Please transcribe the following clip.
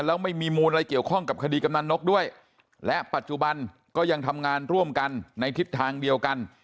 แล้วไม่มีมูลอะไรเกี่ยวข้องกับคดีกำนันนกด้วยและปัจจุบันก็ยังทำงานร่วมกันในทิศทางเดียวกัน